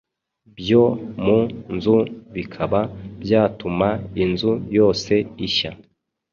byo mu nzu bikaba byatuma inzu yose ishya”.